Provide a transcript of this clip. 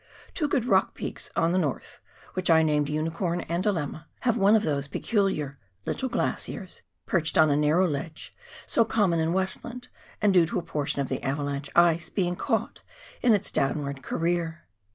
Two good rock peaks on the north, which I named Unicorn and Dilemma, have one of those peculiar little glaciers perched on a narrow ledge so common in Westland, and due to a portion of the avalanche ice being caught in its downward career.